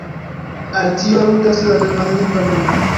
Al tio aludas la germanlingva nomo.